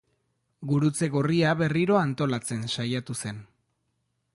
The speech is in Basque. Gurutze Gorria berriro antolatzen saiatu zen.